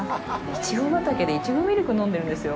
イチゴ畑でイチゴミルク飲んでるんですよ。